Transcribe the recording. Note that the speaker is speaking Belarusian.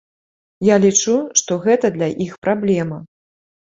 Я лічу, што гэта для іх праблема.